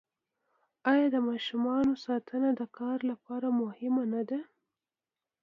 آیا د ماشوم ساتنه د کار لپاره مهمه نه ده؟